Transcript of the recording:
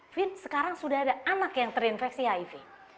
vin sekarang sudah ada anak yang terinfeksi hiv